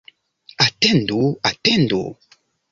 Atendu, atendu!